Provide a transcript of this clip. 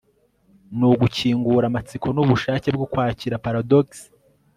nugukingura, amatsiko nubushake bwo kwakira paradox